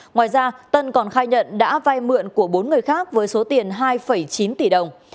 ngoài ra tân còn khai nhận đã vay mượn của bốn người khác với số tiền hai chín tỷ đồng